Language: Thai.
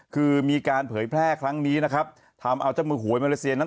คือมีการเผยแพร่ครั้งนี้นะครับทำเอาเจ้ามือหวยมาเลเซียนั้น